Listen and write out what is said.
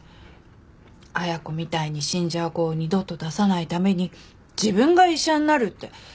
彩子みたいに死んじゃう子を二度と出さないために自分が医者になるって。